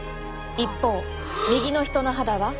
一方右の人の肌は。